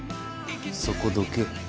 そこどけ。